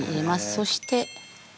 そして。